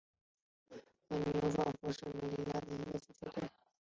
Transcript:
丹佛野马是一支位于科罗拉多州丹佛的职业美式足球球队。